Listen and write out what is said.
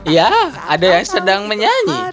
ya ada yang sedang menyanyi